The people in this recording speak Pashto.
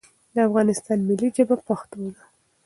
دا افغانستان ملی ژبه پښتو ده